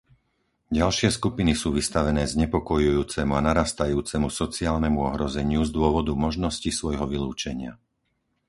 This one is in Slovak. Ďalšie skupiny sú vystavené znepokojujúcemu a narastajúcemu sociálnemu ohrozeniu z dôvodu možnosti svojho vylúčenia.